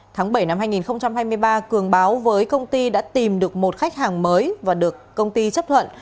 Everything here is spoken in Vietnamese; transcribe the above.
tháng bảy năm hai nghìn hai mươi ba cường báo với công ty đã tìm được một khách hàng mới và được công ty chấp thuận